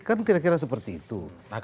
kan kira kira seperti itu